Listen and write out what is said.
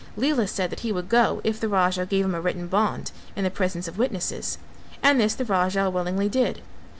Lela said that he would go if the Raja gave him a written bond In the presence of witnesses; and this the Raja willingly did.